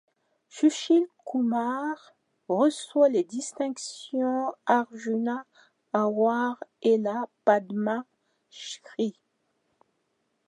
Sushil Kumar reçoit les distinctions Arjuna Award et la Padma Shri.